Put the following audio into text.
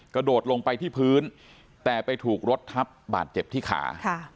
กระโดดลงไปที่พื้นแต่ไปถูกรถทับบาดเจ็บที่ขา